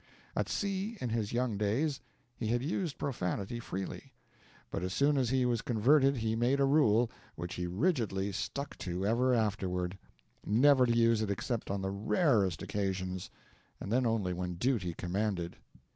At sea, in his young days, he had used profanity freely, but as soon as he was converted he made a rule, which he rigidly stuck to ever afterward, never to use it except on the rarest occasions, and then only when duty commanded.